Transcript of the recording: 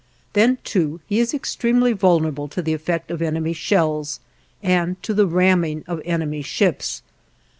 Then, too, he is extremely vulnerable to the effect of enemy shells and to the ramming of enemy ships.